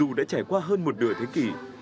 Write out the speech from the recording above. dù đã trải qua hơn một nửa thế kỷ